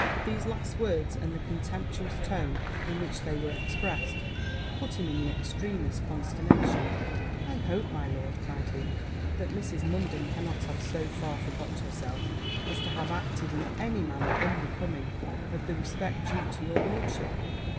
These last words, and the contemptuous tone in which they were expressed, put him into the extremest consternation: 'I hope, my lord,' cried he, 'that Mrs. Munden cannot have so far forgot herself as to have acted in any manner unbecoming of the respect due to your lordship.'